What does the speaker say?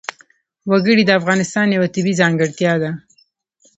وګړي د افغانستان یوه طبیعي ځانګړتیا ده.